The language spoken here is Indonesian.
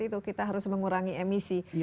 itu kita harus mengurangi emisi